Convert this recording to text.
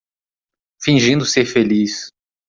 Fingindo ser feliz